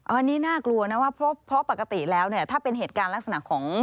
อันนี้น่ากลัวนะว่าเพราะปกติแล้วเนี่ยถ้าเป็นเหตุการณ์ลักษณะของ